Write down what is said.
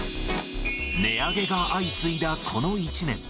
値上げが相次いだこの１年。